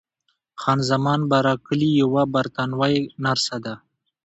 خان زمان بارکلي یوه بریتانوۍ نرسه ده.